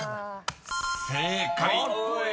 ［正解］